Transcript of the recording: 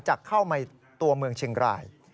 จะเข้ามาตัวเมืองเชียงราย